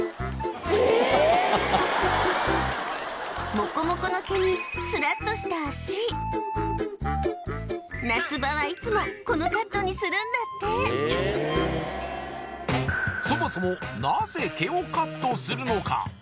モコモコの毛にスラッとした脚夏場はいつもこのカットにするんだってそもそもなぜ毛をカットするのか？